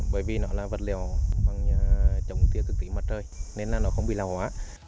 bởi vì nó là vật liệu bằng chống tiết thực tế mặt trời nên là nó không bị lò hóa